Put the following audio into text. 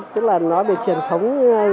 tức là nói về truyền thống